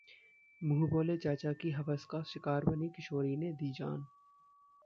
मुंहबोले चाचा की हवस का शिकार बनी किशोरी ने दी जान